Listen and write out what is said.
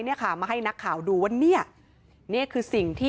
นี่นี่นี่นี่นี่นี่